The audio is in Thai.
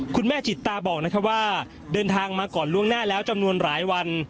คุณแม่จิตตาบอกนะครับว่าเดินทางมาก่อนล่วงหน้าแล้วจำนวนหลายวัน